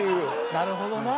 なるほどな。